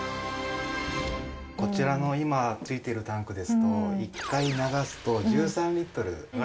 こちらの今付いているタンクですと１回流すと１３リットル流れていってしまいます。